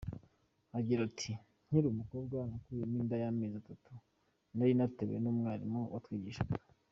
Agira ati “ Nkiri umukobwa nakuyemo inda y’amezi atatu nari natewe n’umwarimu watwigishaga.